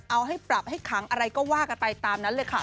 เอาให้ปรับให้ขังอะไรก็ว่ากันไปตามนั้นเลยค่ะ